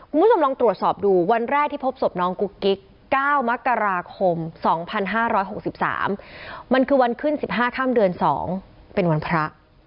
คุณผู้ชมลองตรวจสอบดูวันแรกที่พบศพน้องกุ๊กกิ๊ก๙มกราคม๒๕๖๓มันคือวันขึ้น๑๕ค่ำเดือน๒เป็นวันพระ